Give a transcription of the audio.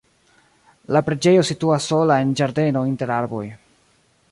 La preĝejo situas sola en ĝardeno inter arboj.